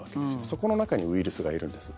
そこの中にウイルスがいるんです。